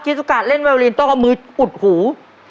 สุกะเล่นไวลินต้องเอามืออุดหู